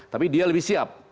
tapi dia lebih siap